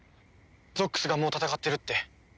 ゾックスがもう戦ってるって。